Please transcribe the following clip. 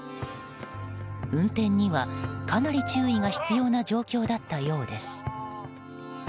運転には、かなり注意が必要な状況だったようです。